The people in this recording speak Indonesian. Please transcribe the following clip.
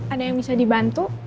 ada yang bisa dibantu